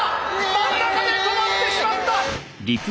真ん中で止まってしまった！